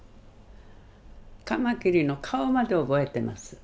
カマキリの顔まで覚えてます。